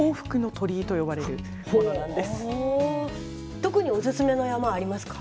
特におすすめの山はありますか？